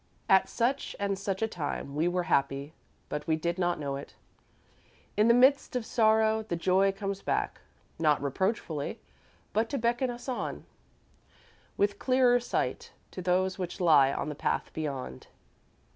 At such and such a time, we were happy, but we did not know it. In the midst of sorrow, the joy comes back, not reproachfully, but to beckon us on, with clearer sight, to those which lie on the path beyond.